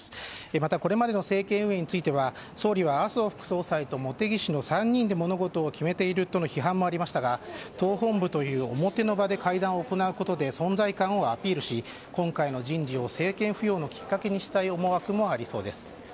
また、これまでの政権運営については総理は麻生副総裁と茂木氏の３人で物事を決めているとの批判もありましたが党本部という表の場で会談を行うことで存在感をアピールし今回の人事を政権浮揚のきっかけにしたい思惑もありそうです。